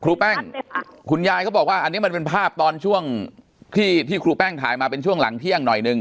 แป้งคุณยายก็บอกว่าอันนี้มันเป็นภาพตอนช่วงที่ที่ครูแป้งถ่ายมาเป็นช่วงหลังเที่ยงหน่อยหนึ่ง